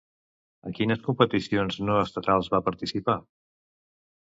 A quines competicions no estatals va participar?